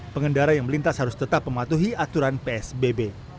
pengendara yang melintas harus tetap mematuhi aturan psbb